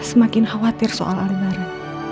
semakin khawatir soal alihbaran